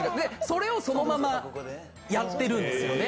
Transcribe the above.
それをそのままやってるんですよね。